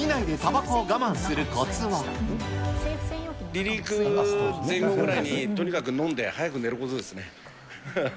離陸前後ぐらいにとにかく飲んで早く寝ることですね。